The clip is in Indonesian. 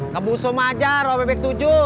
kebusum aja ropebek tujuh